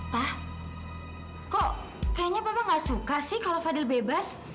pak kok kayaknya bapak gak suka sih kalau fadil bebas